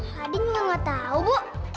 aladin nggak tahu bu